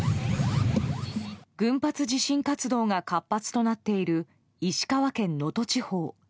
群発地震活動が活発となっている石川県能登地方。